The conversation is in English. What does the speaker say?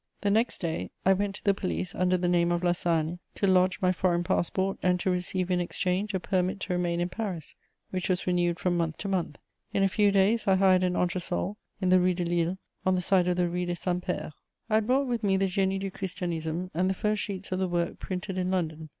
The next day I went to the police, under the name of La Sagne, to lodge my foreign passport and to receive in exchange a permit to remain in Paris, which was renewed from month to month. In a few days I hired an entre sol in the Rue de Lille, on the side of the Rue des Saints Pères. I had brought with me the Génie du Christianisme and the first sheets of the work, printed in London.